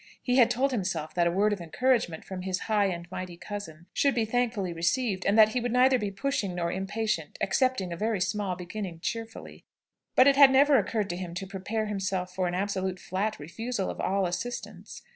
He had told himself that a word of encouragement from his high and mighty cousin should be thankfully received, and that he would neither be pushing nor impatient, accepting a very small beginning cheerfully. But it had never occurred to him to prepare himself for an absolute flat refusal of all assistance.